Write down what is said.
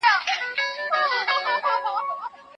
دولتونه د مادي همکاریو له لارې اړیکي پياوړي کوي.